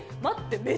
待って。